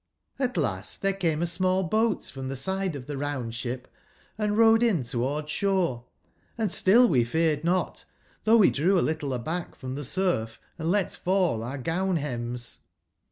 Ht last tbere came a small boat from tbe side of tbe round/sbip, and rowed in toward sbore, and still we feared not, tbougb we drew a little aback from tbe surf and let fall our gown/bems.